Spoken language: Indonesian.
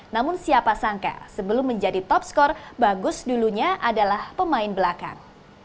namun siapa sangka sebelum menjadi top skor bagus dulunya adalah pemain belakang